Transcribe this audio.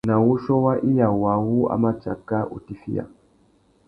Na wuchiô wa iya waā wu a mà tsaka utifiya.